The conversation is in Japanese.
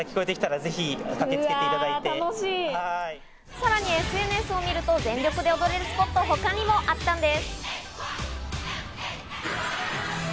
さらにＳＮＳを見ると、全力で踊れるスポットが他にもあったんです。